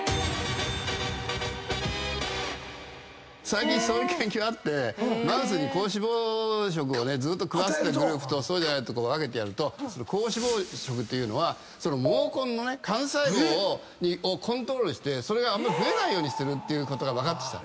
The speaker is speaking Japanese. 最近そういう研究あってマウスに高脂肪食を食わせてるグループとそうじゃないとこ分けてやると高脂肪食というのは毛根の幹細胞をコントロールしてそれがあんまり増えないようにしてるってことが分かってきた。